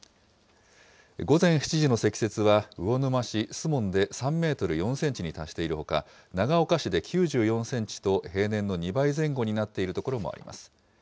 午前７時の積雪は魚沼市守門で３メートル４センチに達しているほか、長岡市で９４センチと、平年の２倍前後になっている所もあります。